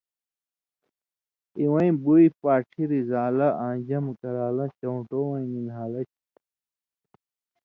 اِوَیں بُوئ، پاڇھی رِزان٘لہ آں جم (جمع) کران٘لہ چؤن٘ٹووَیں نی نھالہ چھی،